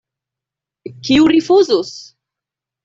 Kiu rifuzus?